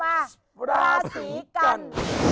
เอามาลาศรีกัณฑ์